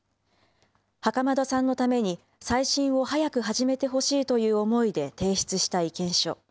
袴田さんのために再審を早く始めてほしいという思いで提出した意見書。